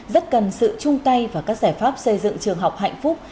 rất cần sự chung tay và các giải pháp xây dựng trường học hạnh phúc